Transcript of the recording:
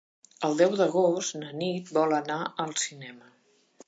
El deu d'agost na Nit vol anar al cinema.